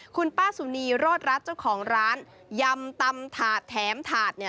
คุณป้าสุนีรอดรัฐเจ้าของร้านยำตำถาดแถมถาดเนี่ย